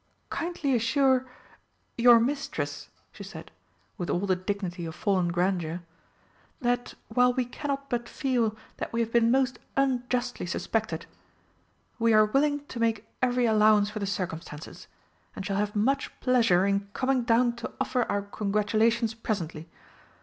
"Kindly assure your Mistress," she said, with all the dignity of fallen grandeur, "that while we cannot but feel that we have been most unjustly suspected, we are willing to make every allowance for the circumstances, and shall have much pleasure in coming down to offer our congratulations presently.